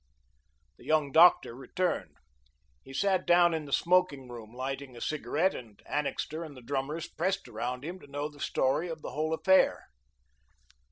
The young doctor returned. He sat down in the smoking room, lighting a cigarette, and Annixter and the drummers pressed around him to know the story of the whole affair.